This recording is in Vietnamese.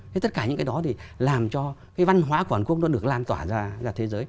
thế tất cả những cái đó thì làm cho cái văn hóa của hàn quốc nó được lan tỏa ra thế giới